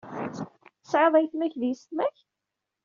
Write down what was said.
Tesɛiḍ ayetma-k d yisetma-k?